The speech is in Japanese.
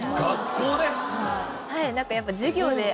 はい。